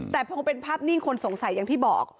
แต่พอเป็นภาพนิ่งคนสงสัยอย่างที่บอก